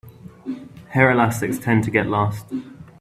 Hair elastics tend to get lost.